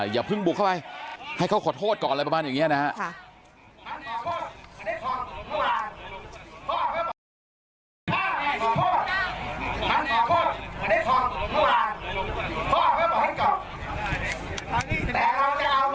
อย่าเพิ่งบุกเข้าไปให้เขาขอโทษก่อนอะไรประมาณอย่างนี้นะครับ